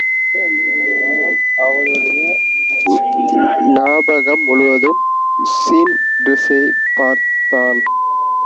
அச்சமயத்திலெல்லாம் அவனுடைய ஞாபகம் முழுவதும் ஸீன் டிரீஸியைப் பற்றித்தான்.